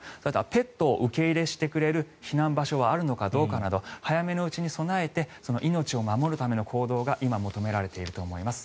ペットを受け入れしてくれる避難場所はあるかどうかなど早めのうちに備えて命を守るための行動が今求められていると思います。